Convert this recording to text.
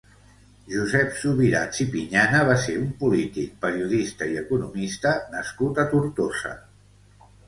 Josep Subirats i Piñana va ser un polític, periodista i economista nascut a Tortosa.